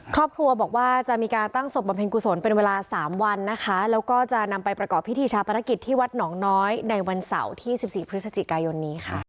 ครอบครัวบอกว่าจะมีการตั้งศพบำเพ็ญกุศลเป็นเวลา๓วันนะคะแล้วก็จะนำไปประกอบพิธีชาปนกิจที่วัดหนองน้อยในวันเสาร์ที่๑๔พฤศจิกายนนี้ค่ะ